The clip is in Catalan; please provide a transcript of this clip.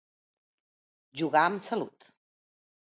Jugar amb la salut.